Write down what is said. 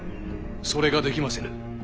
それができませぬ。